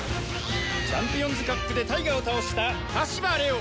チャンピオンズカップでタイガを倒した羽柴レオ。